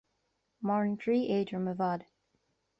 Maireann croí éadrom i bhfad